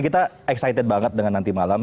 kita excited banget dengan nanti malam